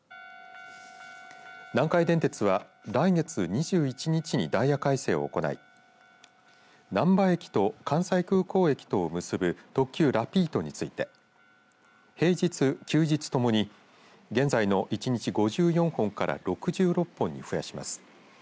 南海電鉄は来月２１日にダイヤ改正を行い難波駅と関西空港駅とを結ぶ特急ラピートについて平日・休日ともに現在の１日５４本から６６本に増やします。